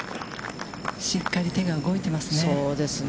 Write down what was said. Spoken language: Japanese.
しっかり手が動いていますね。